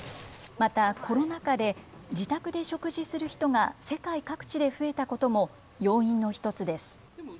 また、コロナ禍で自宅で食事する人が世界各地で増えたことも要因の一つです。